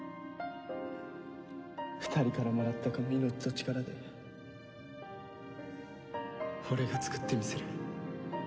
２人からもらったこの命と力で俺がつくってみせる。